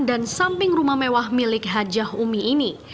dan samping rumah mewah milik hajah umi ini